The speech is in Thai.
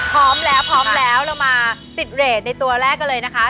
พร้อมแล้วพร้อมแล้วเรามาติดเรทในตัวแรกกันเลยนะคะ